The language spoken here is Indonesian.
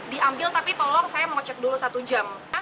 diambil tapi tolong saya mau cek dulu satu jam